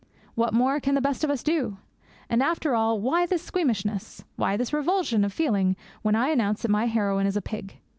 What more can the best of us do? And, after all, why this squeamishness? Why this revulsion of feeling when I announce that my heroine is a pig?